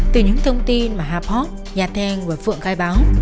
từ những thông tin mà haport nhà teng và phượng khai báo